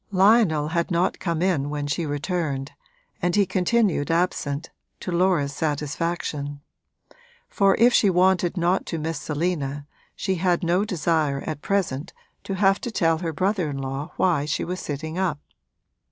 Lionel had not come in when she returned, and he continued absent, to Laura's satisfaction; for if she wanted not to miss Selina she had no desire at present to have to tell her brother in law why she was sitting up.